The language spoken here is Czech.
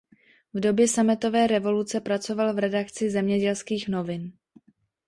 V době Sametové revoluce pracoval v redakci Zemědělských novin.